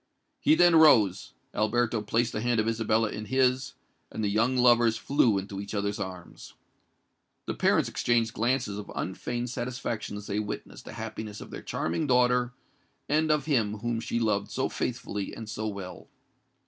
He then rose: Alberto placed the hand of Isabella in his; and the young lovers flew into each other's arms. The parents exchanged glances of unfeigned satisfaction as they witnessed the happiness of their charming daughter and of him whom she loved so faithfully and so well.